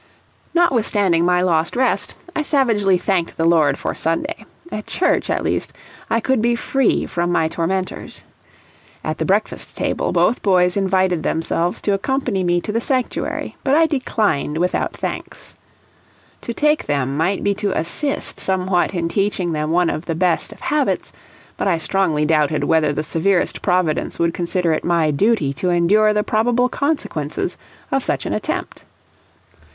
Notnwithstanding my lost rest, savagely thanked the Lord for Sunday; at church, at least, I could be free from my tormentors. At the breakfast table both boys invited themselves to accompany me to the sanctuary, but I declined without thanks. To take them might be to assist somewhat in teaching them one of the best of habits, but I strongly doubted whether the severest Providence would consider it my duty to endure the probable consequences of such an attempt.